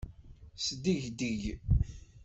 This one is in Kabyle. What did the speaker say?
Sdegdeg.